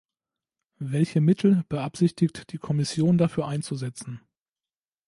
Welche Mittel beabsichtigt die Kommission dafür einzusetzen?